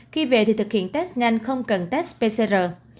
khi về thì thực hiện test nhanh không cần test pcr